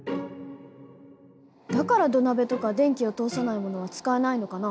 だから土鍋とか電気を通さないものは使えないのかな？